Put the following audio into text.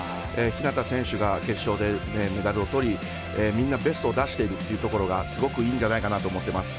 日向選手が決勝でメダルをとりみんなベストを出しているっていうところが、すごくいいんじゃないかなと思ってます。